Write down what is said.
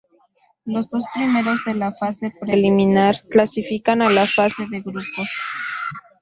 Los dos primeros de la fase preliminar clasifican a la fase de grupos.